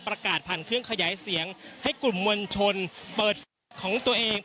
ประกาศผ่านเครื่องขยายเสียงให้กลุ่มมวลชนเปิดของตัวเอง